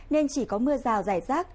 nên chỉ có mưa rào dài rác